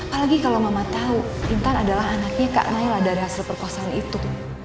apalagi kalau mama tahu intan adalah anaknya kak naila dari hasil perkosaan itu